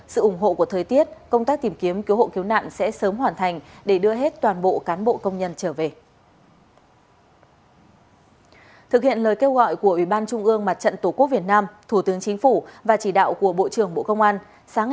xin chào quý vị và các bạn